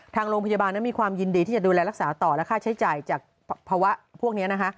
ทางโรงพยาบาลนั้นมีความยินดีที่จะดูแลรักษาต่อและค่าใช้จ่ายจากภาวะพวกนี้นะคะ